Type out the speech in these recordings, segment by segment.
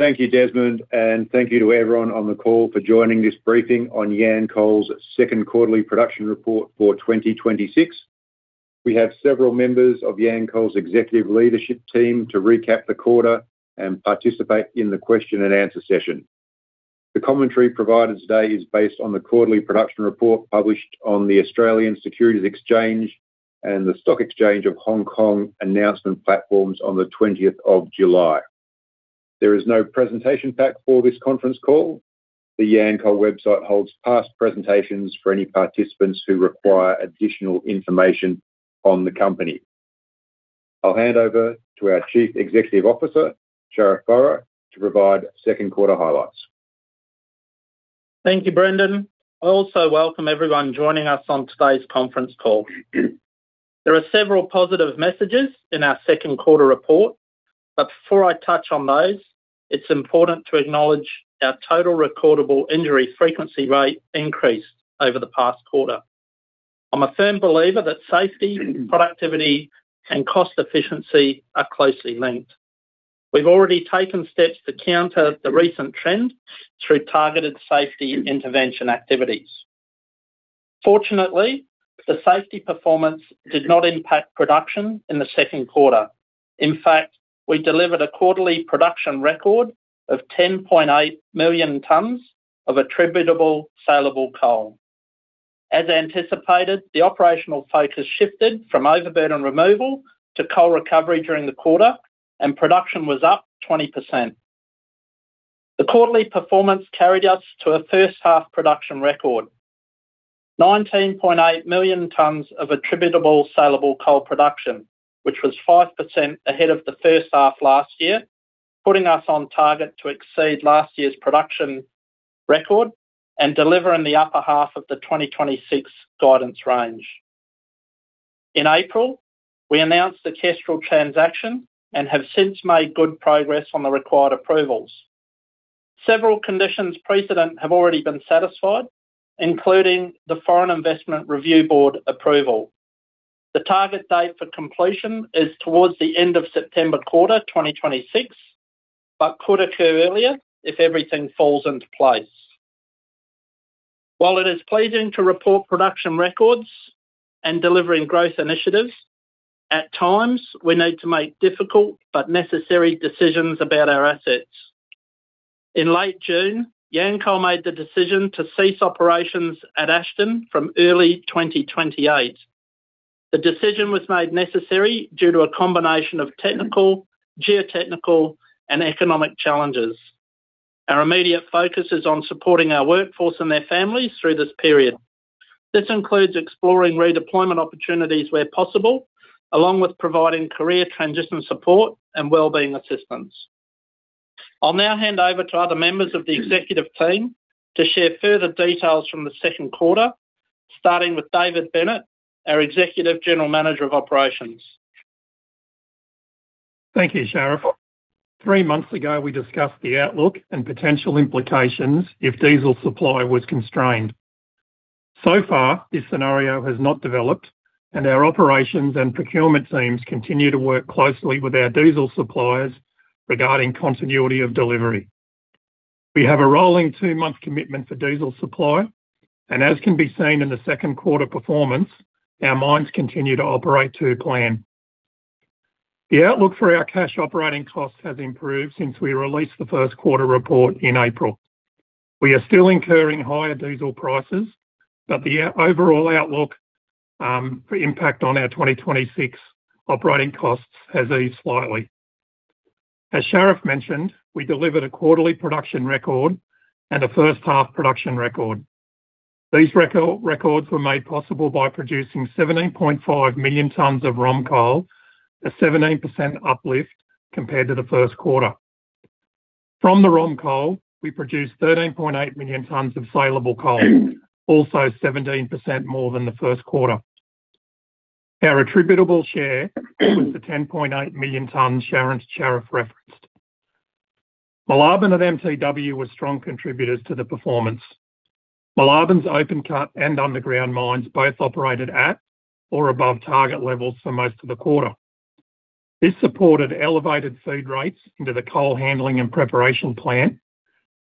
Thank you, Desmond, and thank you to everyone on the call for joining this briefing on Yancoal's second quarterly production report for 2026. We have several members of Yancoal's executive leadership team to recap the quarter and participate in the question and answer session. The commentary provided today is based on the quarterly production report published on the Australian Securities Exchange and the Stock Exchange of Hong Kong announcement platforms on the July 20th. There is no presentation pack for this conference call. The Yancoal website holds past presentations for any participants who require additional information on the company. I'll hand over to our Chief Executive Officer, Sharif Burra, to provide Q2 highlights. Thank you, Brendan. I also welcome everyone joining us on today's conference call. Before I touch on those, it's important to acknowledge our total recordable injury frequency rate increased over the past quarter. I'm a firm believer that safety, productivity, and cost efficiency are closely linked. We've already taken steps to counter the recent trend through targeted safety intervention activities. Fortunately, the safety performance did not impact production in the Q2. We delivered a quarterly production record of 10.8 million tons of attributable saleable coal. As anticipated, the operational focus shifted from overburden removal to coal recovery during the quarter. Production was up 20%. The quarterly performance carried us to a H1 production record. 19.8 million tons of attributable saleable coal production, which was 5% ahead of the H1 last year, putting us on target to exceed last year's production record and deliver in the upper half of the 2026 guidance range. In April, we announced the Kestrel transaction and have since made good progress on the required approvals. Several conditions precedent have already been satisfied, including the Foreign Investment Review Board approval. The target date for completion is towards the end of September quarter 2026, but could occur earlier if everything falls into place. While it is pleasing to report production records and delivering growth initiatives, at times, we need to make difficult but necessary decisions about our assets. In late June, Yancoal made the decision to cease operations at Ashton from early 2028. The decision was made necessary due to a combination of technical, geotechnical, and economic challenges. Our immediate focus is on supporting our workforce and their families through this period. This includes exploring redeployment opportunities where possible, along with providing career transition support and wellbeing assistance. I'll now hand over to other members of the executive team to share further details from the Q2, starting with David Bennett, our Executive General Manager of Operations. Thank you, Sharif. Three months ago, we discussed the outlook and potential implications if diesel supply was constrained. So far, this scenario has not developed, and our operations and procurement teams continue to work closely with our diesel suppliers regarding continuity of delivery. We have a rolling two-month commitment for diesel supply, and as can be seen in the Q2 performance, our mines continue to operate to plan. The outlook for our cash operating costs has improved since we released the Q1 report in April. We are still incurring higher diesel prices, but the overall outlook for impact on our 2026 operating costs has eased slightly. As Sharif mentioned, we delivered a quarterly production record and a first-half production record. These records were made possible by producing 17.5 million tons of ROM coal, a 17% uplift compared to the Q1. From the ROM coal, we produced 13.8 million tons of saleable coal, also 17% more than the Q1. Our attributable share was the 10.8 million tons Sharif referenced. Moolarben and MTW were strong contributors to the performance. Moolarben's open cut and underground mines both operated at or above target levels for most of the quarter. This supported elevated feed rates into the coal handling and preparation plant.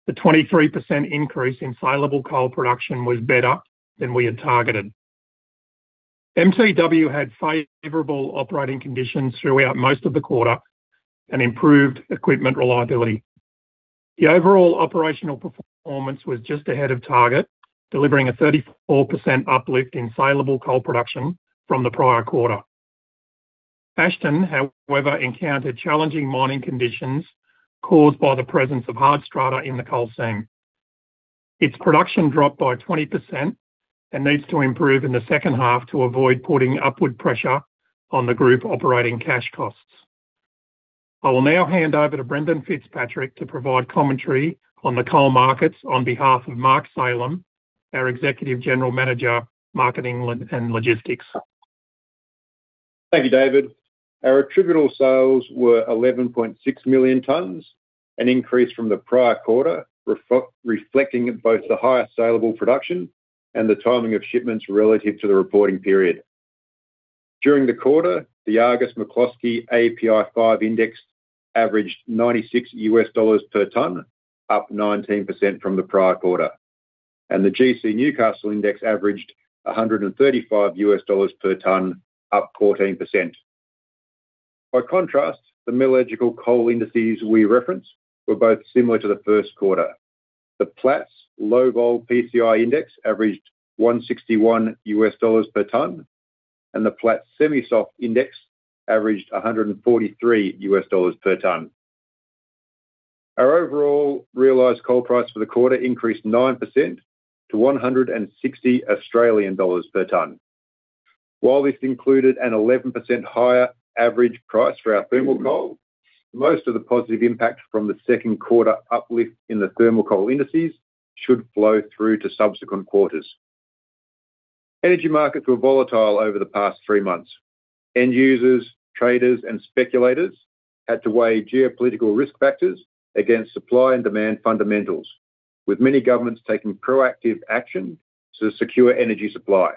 The 23% increase in saleable coal production was better than we had targeted. MTW had favorable operating conditions throughout most of the quarter and improved equipment reliability. The overall operational performance was just ahead of target, delivering a 34% uplift in saleable coal production from the prior quarter. Ashton, however, encountered challenging mining conditions caused by the presence of hard strata in the coal seam. Its production dropped by 20% and needs to improve in the H2 to avoid putting upward pressure on the group operating cash costs. I will now hand over to Brendan Fitzpatrick to provide commentary on the coal markets on behalf of Mark Salem, our Executive General Manager, Marketing and Logistics. Thank you, David. Our attributable sales were 11.6 million tons, an increase from the prior quarter, reflecting both the highest saleable production and the timing of shipments relative to the reporting period. During the quarter, the Argus McCloskey API 5 Index averaged $96 US per tonne, up 19% from the prior quarter, and the GC Newcastle Index averaged $135 US per tonne, up 14%. By contrast, the metallurgical coal indices we referenced were both similar to the Q1. The Platts Low Vol PCI Index averaged $161 US per tonne, and the Platts Semi-Soft Index averaged $143 US per tonne. Our overall realized coal price for the quarter increased 9% to 160 Australian dollars per tonne. While this included an 11% higher average price for our thermal coal, most of the positive impact from the Q2 uplift in the thermal coal indices should flow through to subsequent quarters. Energy markets were volatile over the past three months. End users, traders, and speculators had to weigh geopolitical risk factors against supply and demand fundamentals, with many governments taking proactive action to secure energy supply.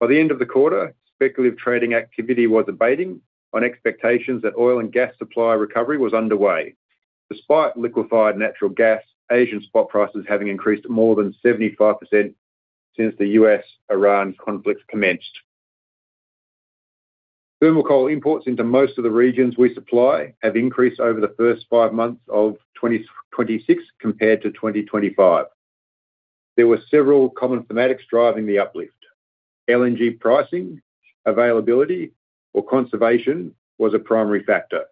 By the end of the quarter, speculative trading activity was abating on expectations that oil and gas supply recovery was underway, despite liquified natural gas Asian spot prices having increased more than 75% since the US-Iran conflict commenced. Thermal coal imports into most of the regions we supply have increased over the first five months of 2026 compared to 2025. There were several common thematics driving the uplift. LNG pricing, availability, or conservation was a primary factor.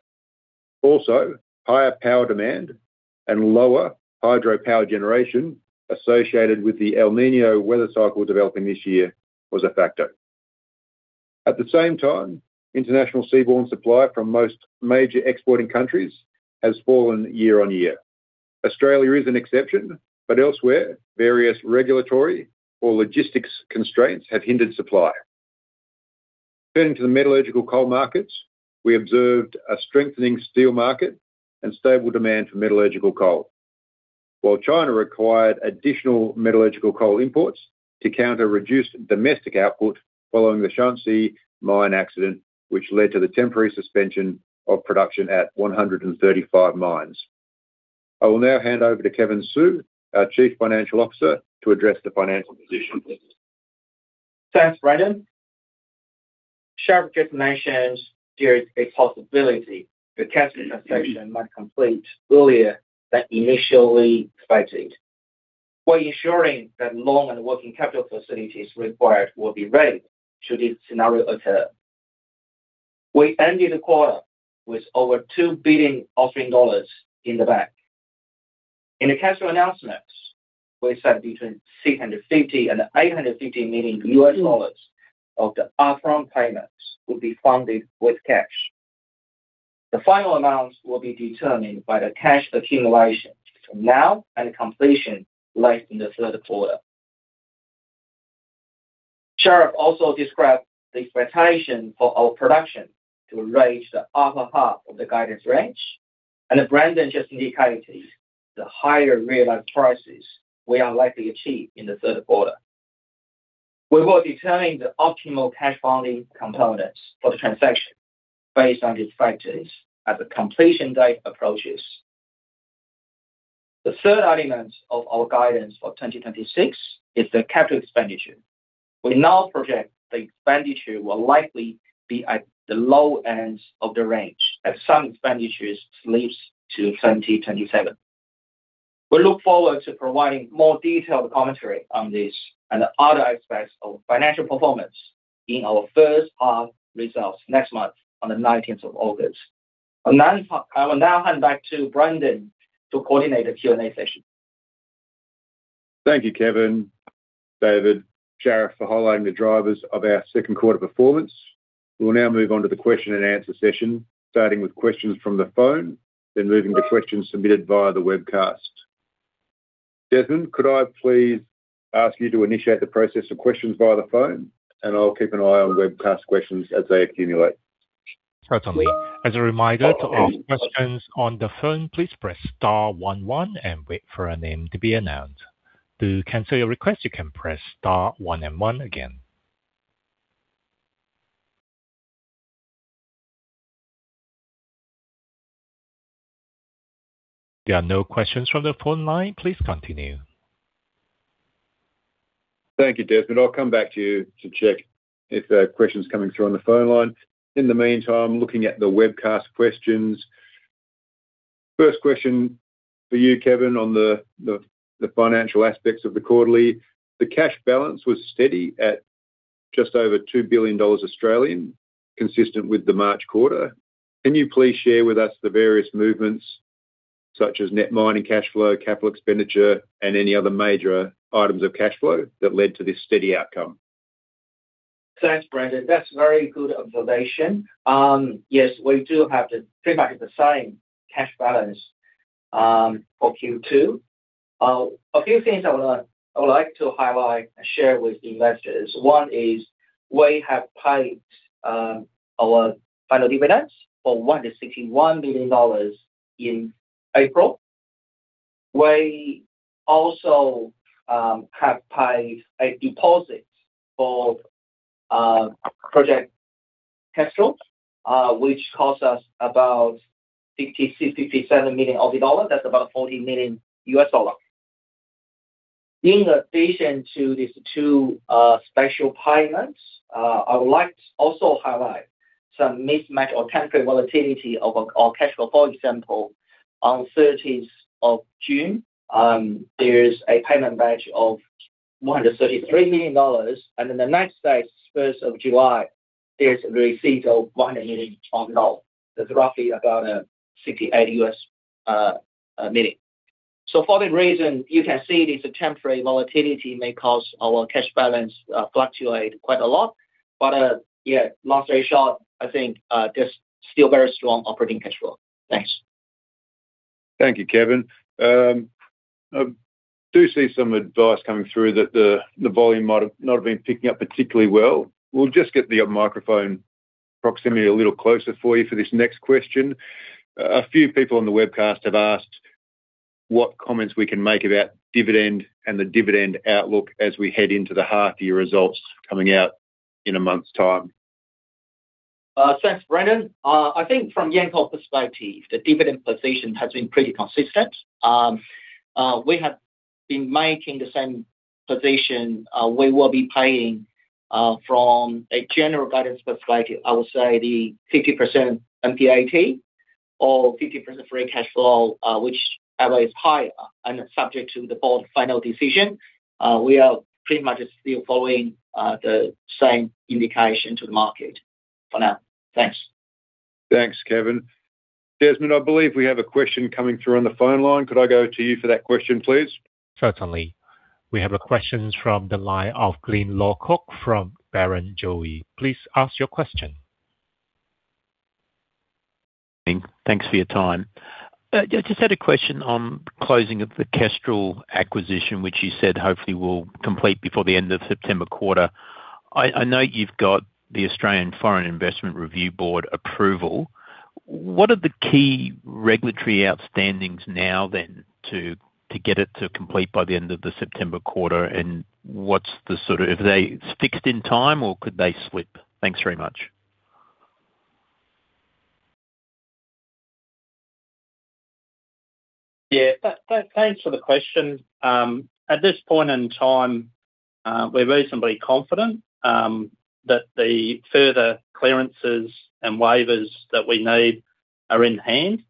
Also, higher power demand and lower hydropower generation associated with the El Niño weather cycle developing this year was a factor. At the same time, international seaborne supply from most major exporting countries has fallen year-over-year. Australia is an exception, but elsewhere, various regulatory or logistics constraints have hindered supply. Turning to the metallurgical coal markets, we observed a strengthening steel market and stable demand for metallurgical coal. While China required additional metallurgical coal imports to counter reduced domestic output following the Shanxi mine accident, which led to the temporary suspension of production at 135 mines. I will now hand over to Kevin Su, our Chief Financial Officer, to address the financial position. Thanks, Brendan. Sharif recognition there is a possibility the cash transaction might complete earlier than initially expected. We are ensuring that loan and working capital facilities required will be ready should this scenario occur. We ended the quarter with over 2 billion Australian dollars in the bank. In the cash flow announcements, we said between $650 million and $850 million of the upfront payments will be funded with cash. The final amounts will be determined by the cash accumulation from now and completion late in the Q3. Sharif also described the expectation for our production to raise the upper half of the guidance range, and Brendan just indicated the higher realized prices we are likely to achieve in the Q3. We will determine the optimal cash funding components for the transaction based on these factors as the completion date approaches. The third element of our guidance for 2026 is the capital expenditure. We now project the expenditure will likely be at the low end of the range as some expenditures slips to 2027. We look forward to providing more detailed commentary on this and other aspects of financial performance in our H1 results next month on the August 19th. I will now hand back to Brendan to coordinate the Q&A session. Thank you, Kevin, David, Sharif, for highlighting the drivers of our Q2 performance. We will now move on to the question and answer session, starting with questions from the phone, then moving to questions submitted via the webcast. Desmond, could I please ask you to initiate the process of questions via the phone, and I'll keep an eye on webcast questions as they accumulate. Certainly. As a reminder, to ask questions on the phone, please press star one one and wait for a name to be announced. To cancel your request, you can press star one and one again. There are no questions from the phone line. Please continue. Thank you, Desmond. I'll come back to you to check if a question's coming through on the phone line. In the meantime, looking at the webcast questions. First question for you, Kevin, on the financial aspects of the quarterly. The cash balance was steady at just over 2 billion Australian dollars, consistent with the March quarter. Can you please share with us the various movements such as net mining cash flow, capital expenditure, and any other major items of cash flow that led to this steady outcome? Thanks, Brendan. That's a very good observation. Yes, we do have pretty much the same cash balance for Q2. A few things I would like to highlight and share with investors. One is we have paid our final dividends for 1.61 billion dollars in April. We also have paid a deposit for Project Kestrel, which cost us about 56 million-57 million dollar. That's about $40 million. In addition to these two special payments, I would like to also highlight some mismatch or temporary volatility of our cash flow. For example, on June 30th, there is a payment batch of 133 million dollars, and then the next day, July 1st, there's a receipt of 100 million dollars. That's roughly about $68 million. For that reason, you can see this temporary volatility may cause our cash balance to fluctuate quite a lot. long story short, I think there's still very strong operating cash flow. Thanks. Thank you, Kevin. I do see some advice coming through that the volume might not have been picking up particularly well. We'll just get the microphone proximity a little closer for you for this next question. A few people on the webcast have asked what comments we can make about dividend and the dividend outlook as we head into the half-year results coming out in a month's time. Thanks, Brendan. I think from Yancoal's perspective, the dividend position has been pretty consistent. We have been making the same position. We will be paying from a general guidance perspective, I would say the 50% NPAT or 50% free cash flow, whichever is higher, and subject to the Board's final decision. We are pretty much still following the same indication to the market for now. Thanks. Thanks, Kevin. Desmond, I believe we have a question coming through on the phone line. Could I go to you for that question, please? Certainly. We have a question from the line of Glyn Lawcock from Barrenjoey. Please ask your question. Thanks for your time. Yeah, just had a question on closing of the Kestrel acquisition, which you said hopefully will complete before the end of September quarter. I know you've got the Australian Foreign Investment Review Board approval. What are the key regulatory outstandings now then to get it to complete by the end of the September quarter? Are they fixed in time, or could they slip? Thanks very much. Yeah. Thanks for the question. At this point in time, we're reasonably confident that the further clearances and waivers that we need are in hand.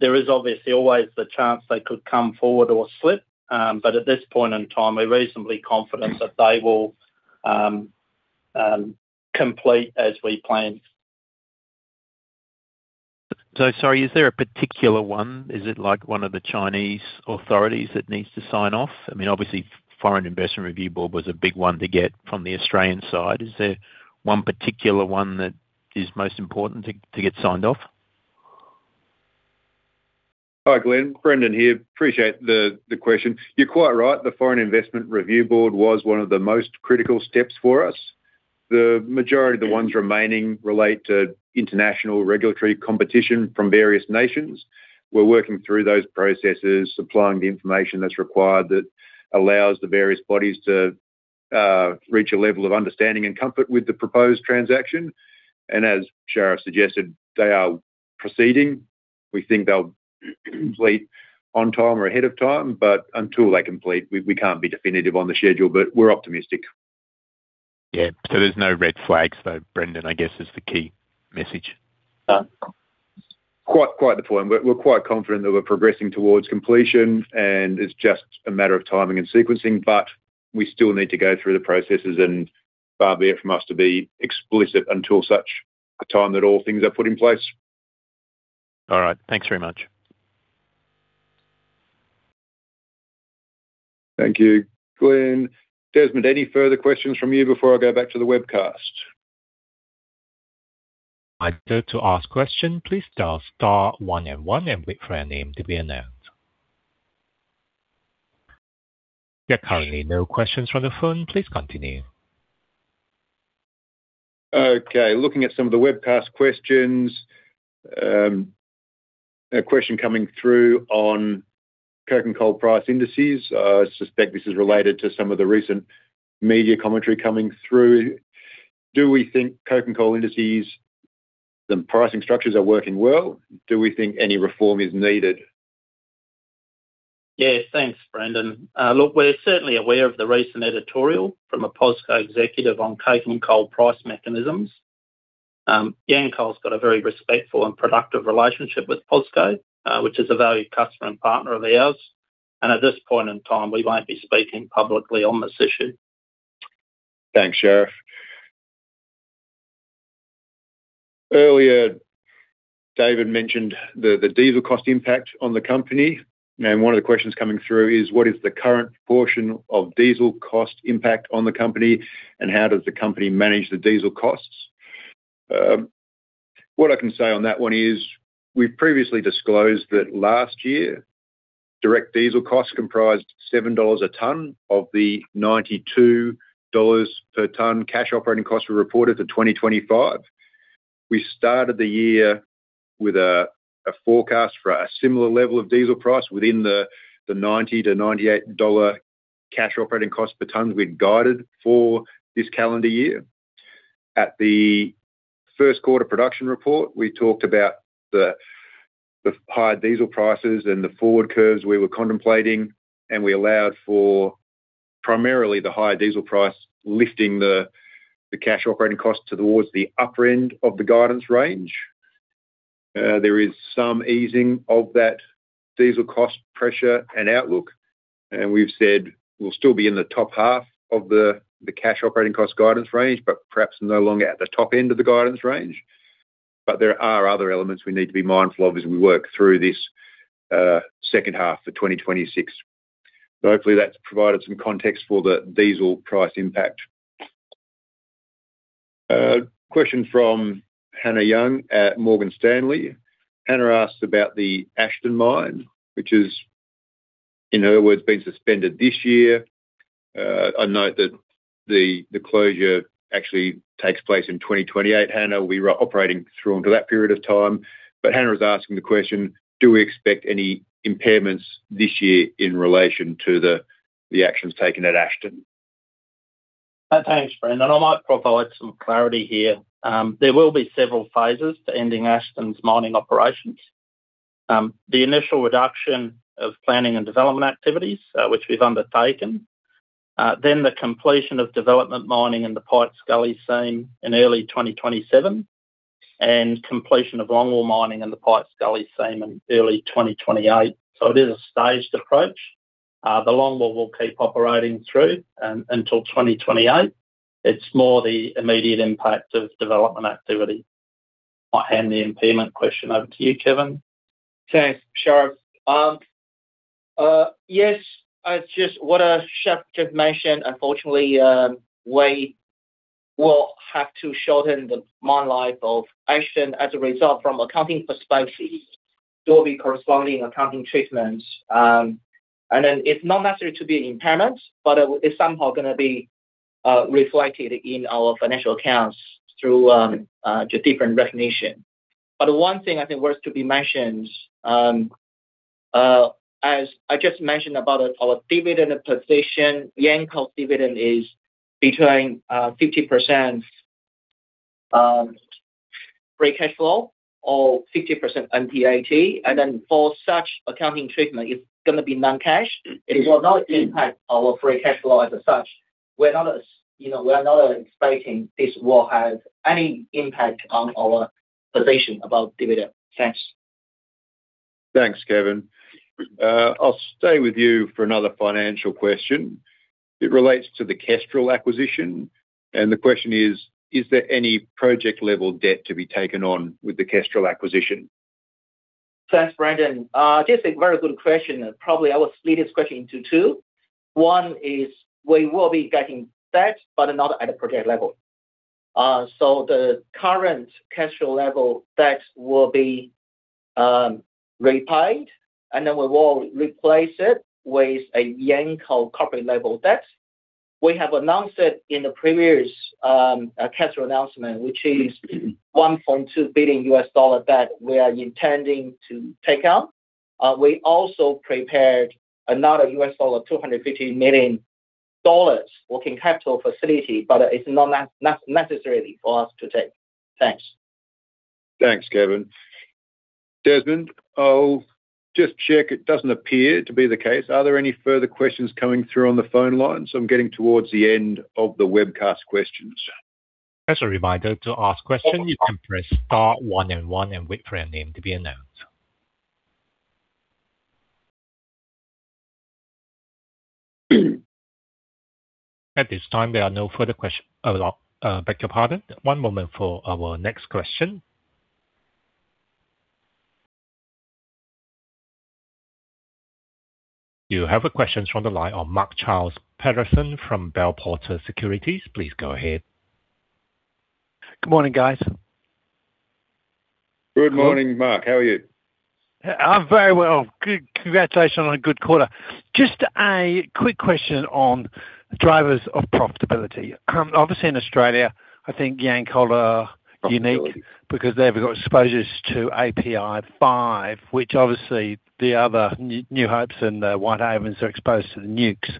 There is obviously always the chance they could come forward or slip. At this point in time, we're reasonably confident that they will complete as we plan. Sorry, is there a particular one? Is it one of the Chinese authorities that needs to sign off? I mean, obviously Foreign Investment Review Board was a big one to get from the Australian side. Is there one particular one that is most important to get signed off? Hi, Glyn. Brendan here. Appreciate the question. You are quite right. The Foreign Investment Review Board was one of the most critical steps for us. The majority of the ones remaining relate to international regulatory competition from various nations. We are working through those processes, supplying the information that is required that allows the various bodies to reach a level of understanding and comfort with the proposed transaction. As Sharif suggested, they are proceeding. We think they will complete on time or ahead of time, until they complete, we cannot be definitive on the schedule, but we are optimistic. There is no red flags, though, Brendan, I guess is the key message. Quite the point. We are quite confident that we are progressing towards completion, it is just a matter of timing and sequencing, we still need to go through the processes, far be it from us to be explicit until such a time that all things are put in place. All right. Thanks very much. Thank you, Glyn. Desmond, any further questions from you before I go back to the webcast? To ask question, please dial star one and one and wait for your name to be announced. There are currently no questions from the phone. Please continue. Okay. Looking at some of the webcast questions. A question coming through on coking coal price indices. I suspect this is related to some of the recent media commentary coming through. Do we think coking coal indices, the pricing structures are working well? Do we think any reform is needed? Yeah, thanks, Brendan. Look, we're certainly aware of the recent editorial from a POSCO executive on coking coal price mechanisms. Yancoal's got a very respectful and productive relationship with POSCO, which is a valued customer and partner of ours. At this point in time, we won't be speaking publicly on this issue. Thanks, Sharif. Earlier, David mentioned the diesel cost impact on the company. One of the questions coming through is what is the current proportion of diesel cost impact on the company, and how does the company manage the diesel costs? What I can say on that one is we've previously disclosed that last year, direct diesel costs comprised 7 dollars a ton of the 92 dollars per ton cash operating costs we reported for 2025. We started the year with a forecast for a similar level of diesel price within the 90-98 dollar cash operating cost per ton we'd guided for this calendar year. At the Q1 production report, we talked about the higher diesel prices and the forward curves we were contemplating. We allowed for primarily the higher diesel price lifting the cash operating costs towards the upper end of the guidance range. There is some easing of that diesel cost pressure and outlook. We've said we'll still be in the top half of the cash operating cost guidance range, perhaps no longer at the top end of the guidance range. There are other elements we need to be mindful of as we work through this H2 for 2026. Hopefully, that's provided some context for the diesel price impact. A question from Hannah Young at Morgan Stanley. Hannah asks about the Ashton mine, which is, in her words, been suspended this year. I note that the closure actually takes place in 2028, Hannah. We are operating through until that period of time. Hannah is asking the question, do we expect any impairments this year in relation to the actions taken at Ashton? Thanks, Brendan. I might provide some clarity here. There will be several phases to ending Ashton's mining operations. The initial reduction of planning and development activities, which we've undertaken. The completion of development mining in the Pikes Gully seam in early 2027, and completion of longwall mining in the Pikes Gully seam in early 2028. It is a staged approach. The longwall will keep operating through until 2028. It's more the immediate impact of development activity. I'll hand the impairment question over to you, Kevin. Thanks, Sharif. Yes, just what Sharif just mentioned, unfortunately, we will have to shorten the mine life of Ashton as a result from accounting for space. There will be corresponding accounting treatments. It's not necessary to be an impairment, but it is somehow going to be reflected in our financial accounts through different recognition. One thing I think worth to be mentioned, as I just mentioned about our dividend position, Yancoal's dividend is between 50% free cash flow or 50% NPAT. For such accounting treatment, it's going to be non-cash. It will not impact our free cash flow as such. We are not expecting this will have any impact on our position about dividend. Thanks. Thanks, Kevin. I'll stay with you for another financial question. It relates to the Kestrel acquisition. The question is: Is there any project-level debt to be taken on with the Kestrel acquisition? Thanks, Brendan. Just a very good question. Probably I will split this question into two. One is we will be getting debt, not at a project level. The current Kestrel level debt will be repaid, and then we will replace it with a Yancoal corporate-level debt. We have announced it in the previous Kestrel announcement, which is $1.2 billion that we are intending to take out. We also prepared another $250 million working capital facility. It's not necessary for us to take. Thanks. Thanks, Kevin. Desmond, I'll just check. It doesn't appear to be the case. Are there any further questions coming through on the phone lines? I'm getting towards the end of the webcast questions. As a reminder, to ask questions, you can press star one and one and wait for your name to be announced. At this time, there are no further questions. I beg your pardon. One moment for our next question. You have a question from the line of Mark Charles Patterson from Bell Potter Securities. Please go ahead. Good morning, guys. Good morning, Mark. How are you? I'm very well. Congratulations on a good quarter. Just a quick question on drivers of profitability. Obviously, in Australia, I think Yancoal are unique because they've got exposures to API 5, which obviously the other New Hope in the Whitehaven are exposed to the NEWC.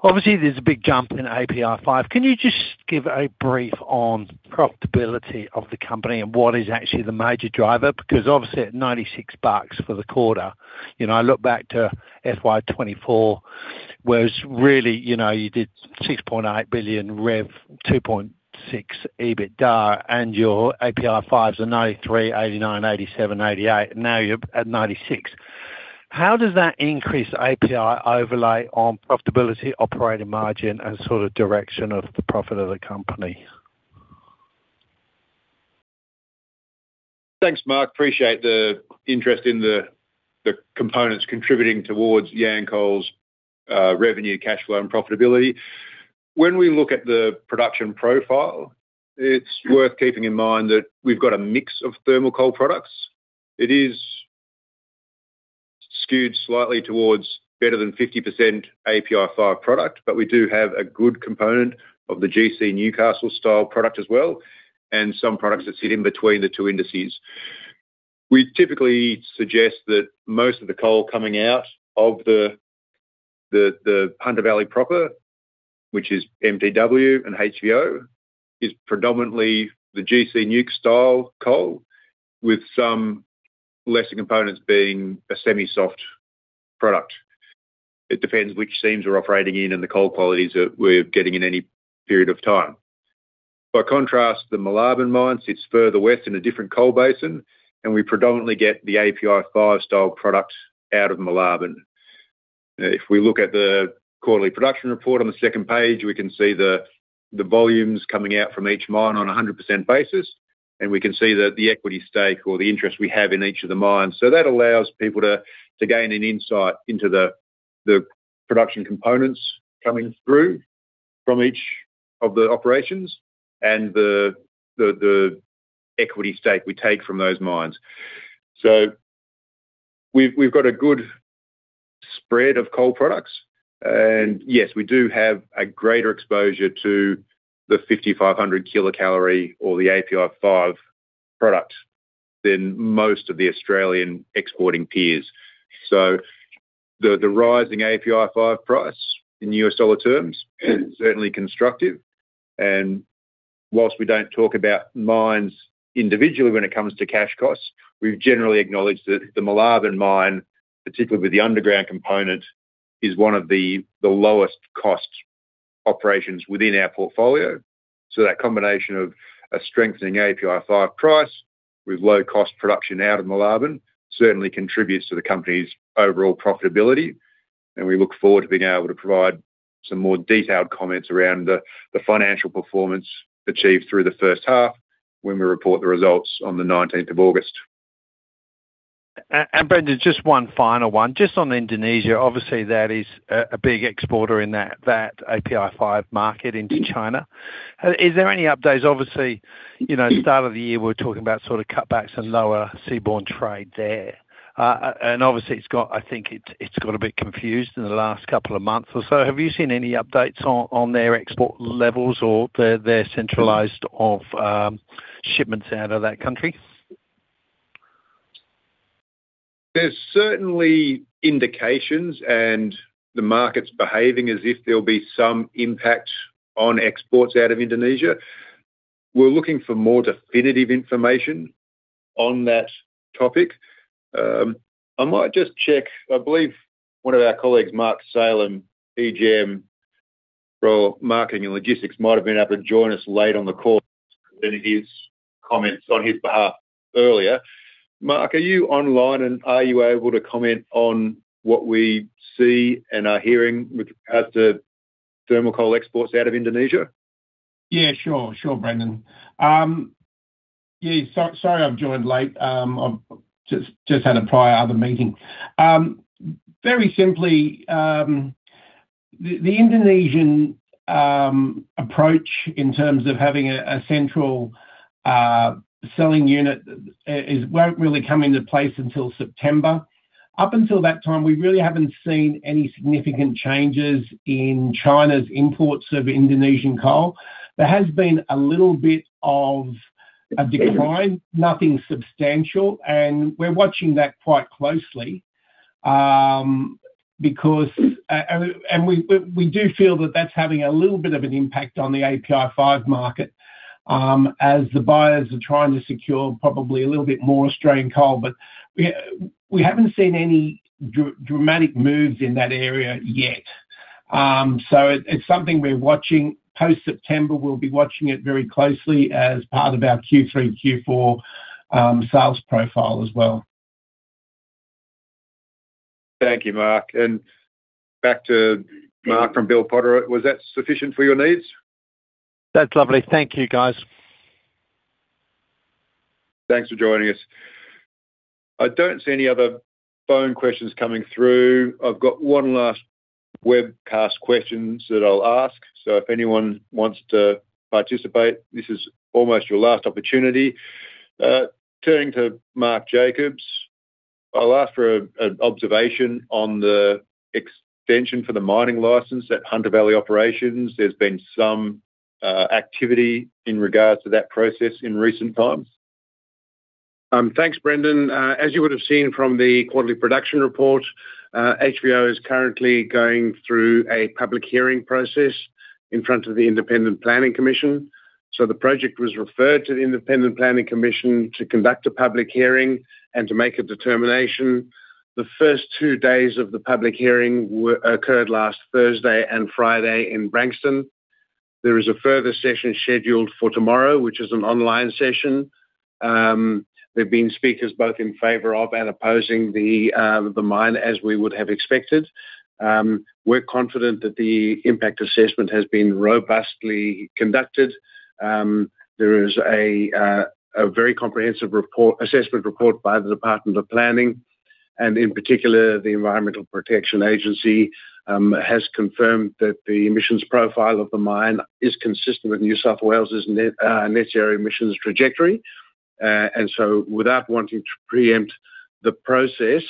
Obviously, there's a big jump in API 5. Can you just give a brief on profitability of the company and what is actually the major driver? Obviously at 96 bucks for the quarter, I look back to FY 2024 was really you did 6.8 billion revenue, 2.6 EBITDA and your API 5s are 93, 89, 87, 88. Now you're at 96. How does that increase API overlay on profitability, operating margin and sort of direction of the profit of the company? Thanks, Mark. Appreciate the interest in the components contributing towards Yancoal's revenue, cash flow and profitability. Skews slightly towards better than 50% API 5 product, but we do have a good component of the GC Newcastle style product as well, and some products that sit in between the two indices. We typically suggest that most of the coal coming out of the Hunter Valley proper, which is MTW and HVO, is predominantly the GC Newc style coal, with some lesser components being a semi-soft product. It depends which seams we're operating in and the coal qualities that we're getting in any period of time. By contrast, the Moolarben mine sits further west in a different coal basin. We predominantly get the API 5 style product out of Moolarben. If we look at the quarterly production report on the second page, we can see the volumes coming out from each mine on 100% basis, and we can see that the equity stake or the interest we have in each of the mines. That allows people to gain an insight into the production components coming through from each of the operations and the equity stake we take from those mines. We've got a good spread of coal products. Yes, we do have a greater exposure to the 5,500 kilocalorie or the API 5 product than most of the Australian exporting peers. The rising API 5 price in US dollar terms is certainly constructive. Whilst we don't talk about mines individually when it comes to cash costs, we've generally acknowledged that the Moolarben mine, particularly with the underground component, is one of the lowest cost operations within our portfolio. That combination of a strengthening API 5 price with low cost production out of Moolarben certainly contributes to the company's overall profitability, and we look forward to being able to provide some more detailed comments around the financial performance achieved through the H1 when we report the results on the August 19th. Brendan, just one final one. Just on Indonesia, obviously that is a big exporter in that API 5 market into China. Is there any updates? Obviously, start of the year, we're talking about sort of cutbacks and lower seaborne trade there. Obviously, I think it's got a bit confused in the last couple of months or so. Have you seen any updates on their export levels or their centralized of shipments out of that country? There's certainly indications. The market's behaving as if there'll be some impact on exports out of Indonesia. We're looking for more definitive information on that topic. I might just check. I believe one of our colleagues, Mark Salem, EGM for Marketing and Logistics, might have been able to join us late on the call. His comments on his behalf earlier. Mark, are you online, and are you able to comment on what we see and are hearing with regards to thermal coal exports out of Indonesia? Yeah, sure, Brendan. Sorry, I've joined late. I've just had a prior other meeting. Very simply, the Indonesian approach in terms of having a central selling unit won't really come into place until September. Up until that time, we really haven't seen any significant changes in China's imports of Indonesian coal. There has been a little bit of a decline, nothing substantial, and we're watching that quite closely. We do feel that that's having a little bit of an impact on the API 5 market as the buyers are trying to secure probably a little bit more Australian coal. We haven't seen any dramatic moves in that area yet. It's something we're watching post-September. We'll be watching it very closely as part of our Q3, Q4 sales profile as well. Thank you, Mark. Back to Mark from Bell Potter, was that sufficient for your needs? That's lovely. Thank you, guys. Thanks for joining us. I don't see any other phone questions coming through. I've got one last webcast question that I'll ask. If anyone wants to participate, this is almost your last opportunity. Turning to Mark Jacobs, I'll ask for an observation on the extension for the mining license at Hunter Valley Operations. There's been some activity in regards to that process in recent times. Thanks, Brendan. As you would have seen from the quarterly production report, HVO is currently going through a public hearing process in front of the Independent Planning Commission. The project was referred to the Independent Planning Commission to conduct a public hearing and to make a determination. The first two days of the public hearing occurred last Thursday and Friday in Branxton. There is a further session scheduled for tomorrow, which is an online session. There have been speakers both in favor of and opposing the mine, as we would have expected. We're confident that the impact assessment has been robustly conducted. There is a very comprehensive assessment report by the Department of Planning, and in particular, the Environmental Protection Agency has confirmed that the emissions profile of the mine is consistent with New South Wales' necessary emissions trajectory. Without wanting to preempt the process,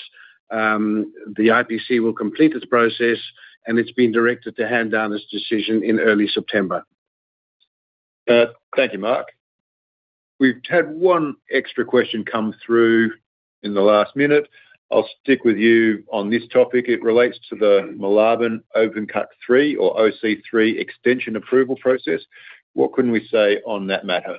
the IPC will complete its process, and it's been directed to hand down its decision in early September. Thank you, Mark. We've had one extra question come through in the last minute. I'll stick with you on this topic. It relates to the Moolarben Open Cut 3 or OC3 extension approval process. What can we say on that matter?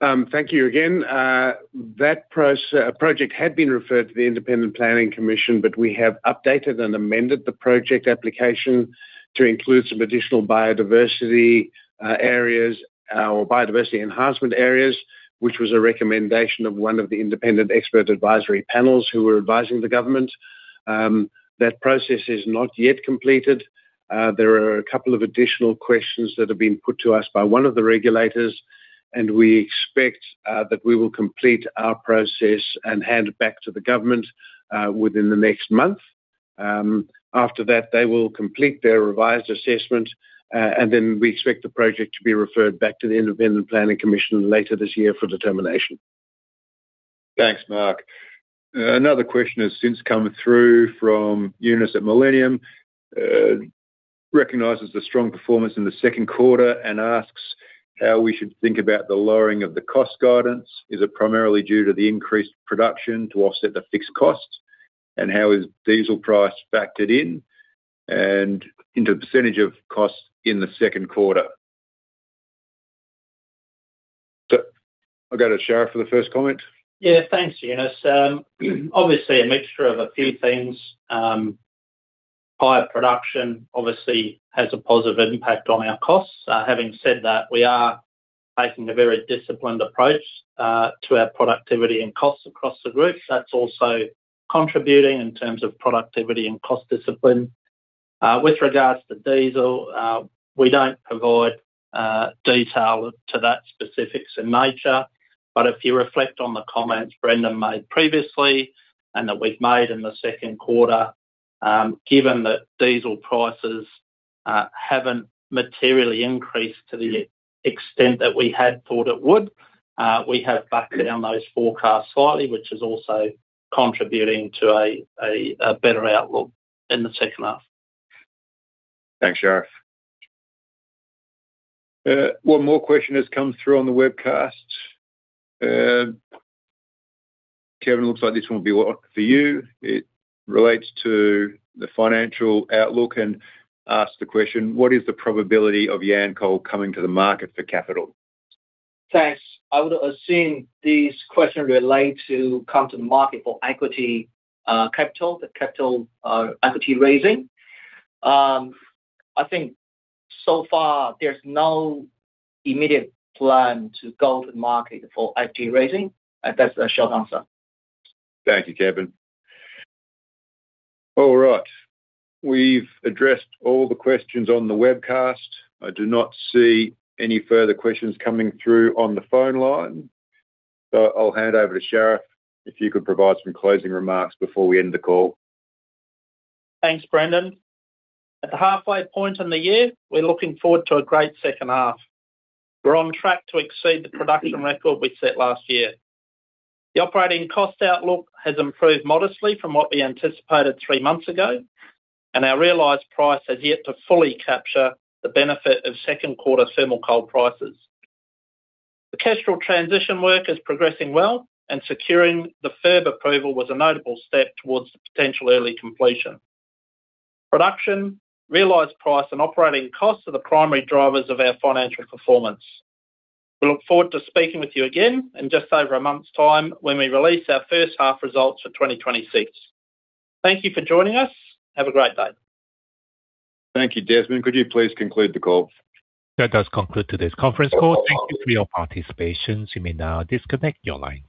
Thank you again. That project had been referred to the Independent Planning Commission, we have updated and amended the project application to include some additional biodiversity areas or biodiversity enhancement areas, which was a recommendation of one of the independent expert advisory panels who were advising the government. That process is not yet completed. There are a couple of additional questions that have been put to us by one of the regulators, we expect that we will complete our process and hand it back to the government within the next month. After that, they will complete their revised assessment, we expect the project to be referred back to the Independent Planning Commission later this year for determination. Thanks, Mark. Another question has since come through from Eunice at Millennium. She recognizes the strong performance in the Q2 and asks how we should think about the lowering of the cost guidance. Is it primarily due to the increased production to offset the fixed costs? How is diesel price factored into the percentage of costs in the Q2? I'll go to Sharif for the first comment. Thanks, Eunice. Obviously, a mixture of a few things. Higher production obviously has a positive impact on our costs. Having said that, we are taking a very disciplined approach to our productivity and costs across the group. That's also contributing in terms of productivity and cost discipline. With regards to diesel, we don't provide detail to those specifics in nature. If you reflect on the comments Brendan made previously and that we've made in the Q2, given that diesel prices haven't materially increased to the extent that we had thought it would, we have backed down those forecasts slightly, which is also contributing to a better outlook in the H2. Thanks, Sharif. One more question has come through on the webcast. Kevin, looks like this one will be for you. It relates to the financial outlook and asks the question, what is the probability of Yancoal coming to the market for capital? Thanks. I would assume this question relates to coming to the market for equity capital, the capital equity raising. I think so far there's no immediate plan to go to the market for equity raising. That's a short answer. Thank you, Kevin. All right. We've addressed all the questions on the webcast. I do not see any further questions coming through on the phone line. I'll hand over to Sharif, if you could provide some closing remarks before we end the call. Thanks, Brendan. At the halfway point in the year, we're looking forward to a great H2. We're on track to exceed the production record we set last year. The operating cost outlook has improved modestly from what we anticipated three months ago. Our realized price has yet to fully capture the benefit of second-quarter thermal coal prices. The Kestrel transition work is progressing well, and securing the FIRB approval was a notable step towards the potential early completion. Production, realized price, and operating costs are the primary drivers of our financial performance. We look forward to speaking with you again in just over a month's time when we release our H1 results for 2026. Thank you for joining us. Have a great day. Thank you. Desmond, could you please conclude the call? That does conclude today's conference call. Thank you for your participation. You may now disconnect your line.